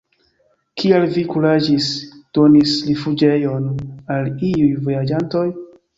Kial vi kuraĝis doni rifuĝejon al iuj vojaĝantoj?